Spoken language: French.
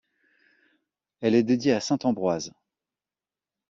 Elle est dédiée à saint Ambroise.